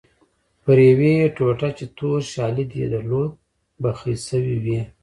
پر یوې ټوټه چې تور شالید یې درلود بخۍ شوې وې.